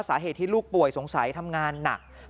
เพราะคนที่เป็นห่วงมากก็คุณพ่อคุณแม่ครับ